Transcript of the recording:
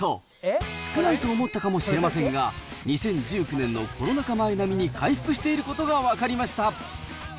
少ないと思ったかもしれませんが、２０１９年のコロナ禍前波に回復していることが分かりました。